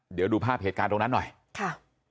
เดี๋ยวดูภาพเหตุการณ์ตรงนั้นหน่อยค่ะ